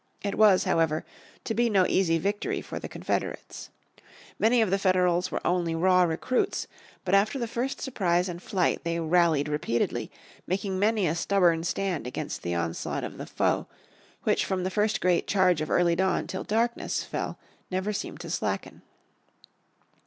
It was, however, to be no easy victory for the Confederates. Many of the Federals were only raw recruits, but after the first surprise and flight they rallied repeatedly, making many a stubborn stand against the onslaught of the foe, which from the first great charge of early dawn till darkness fell never seemed to slacken.